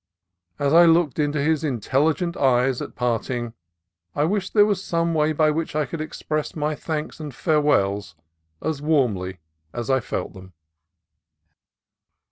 As I looked into his intelligent eyes at parting, I wished there were some way by which I could express my thanks and farewells as warmly as I felt them.